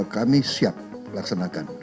kami siap laksanakan